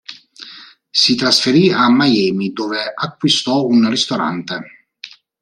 Si trasferì a Miami, dove acquistò un ristorante.